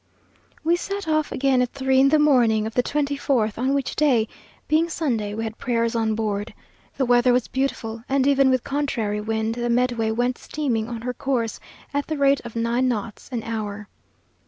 We set off again at three in the morning of the twenty fourth, on which day, being Sunday, we had prayers on board. The weather was beautiful, and even with contrary wind, the Medway went steaming on her course at the rate of nine knots an hour.